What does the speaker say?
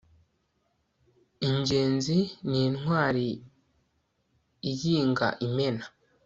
ingenzi ni intwari iyinga imena